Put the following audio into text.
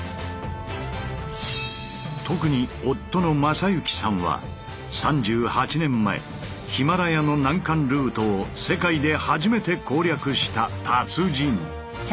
特に夫の正之さんは３８年前ヒマラヤの難関ルートを世界で初めて攻略した達人。